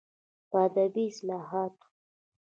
په ادبي اصلاحاتو